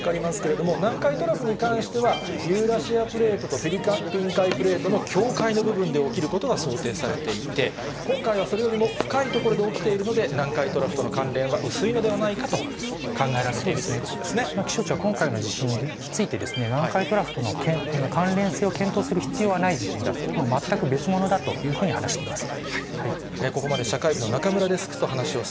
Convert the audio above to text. また、南海トラフとの関連性でいいますと、こちらを見てみると分かりますけれども、南海トラフに関しては、ユーラシアプレートとフィリピン海プレートの境界の部分で起きることが想定されていて、今回はそれよりも深い所で起きているので、南海トラフとの関連は薄いのではないかと考えられているというこ気象庁は、今回の地震について、南海トラフとの関連性を検討する必要はない地震だと、全く別物だというふうに話しています。